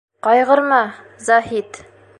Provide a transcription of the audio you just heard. — Ҡайғырма, Заһит.